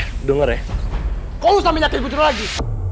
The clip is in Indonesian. eh denger ya kok lu sampe nyatir kucur lagi